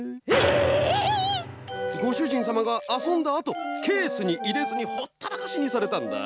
ごしゅじんさまがあそんだあとケースにいれずにほったらかしにされたんだ。